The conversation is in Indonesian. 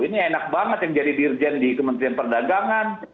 ini enak banget yang jadi dirjen di kementerian perdagangan